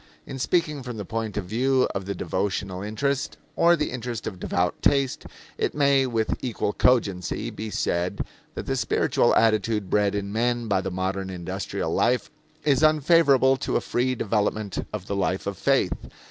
In speaking from the point of view of the devotional interest, or the interest of devout taste, it may, with equal cogency, be said that the spiritual attitude bred in men by the modern industrial life is unfavorable to a free development of the life of faith.